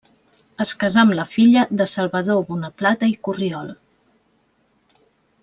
Es casà amb la filla de Salvador Bonaplata i Corriol.